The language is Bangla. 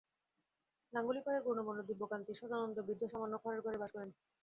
গাঙ্গুলি পাড়ার গৌরবর্ণ দিব্যাকান্তি, সদানন্দ বৃদ্ধ সামান্য খড়ের ঘরে বাস করেন।